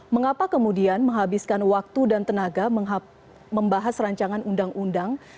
mengapa kemudian menghabiskan waktu dan tenaga membahas rancangan undang undang